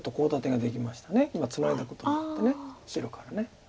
今ツナいだことによって白から。